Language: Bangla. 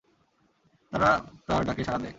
তারা তাঁর ডাকে সাড়া দেয়।